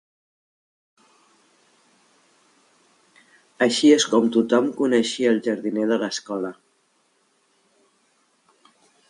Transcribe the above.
Així és com tothom coneixia el jardiner de l'escola.